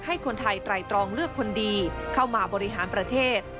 ให้คนไทยไตรตรองเลือกคนดีเข้ามาบริหารประเทศ